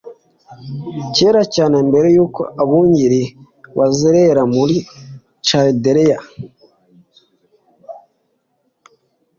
Kera cyane mbere yuko abungeri bazerera muri Chaldeya